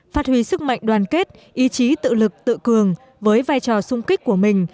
phát huy sức mạnh đoàn kết ý chí tự lực tự cường với vai trò sung kích của mình